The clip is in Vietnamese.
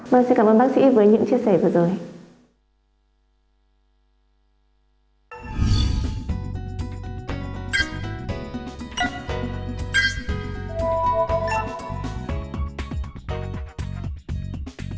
vâng xin cảm ơn bác sĩ với những chia sẻ vừa rồi